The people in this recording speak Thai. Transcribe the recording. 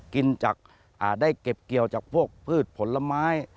กินตั้งจากได้เก็บเกลียวตั้งจากพวกพืชผลไม้